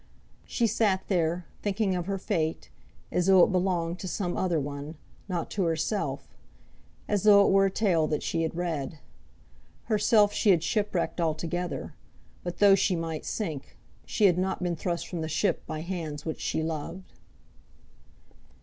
She sat there, thinking of her fate, as though it belonged to some other one, not to herself; as though it were a tale that she had read. Herself she had shipwrecked altogether; but though she might sink, she had not been thrust from the ship by hands which she loved.